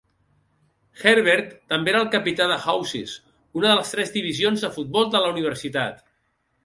Herbert també era el capità de Houses, una de les tres divisions de futbol de la universitat.